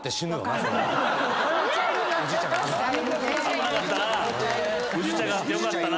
危なかったなぁ。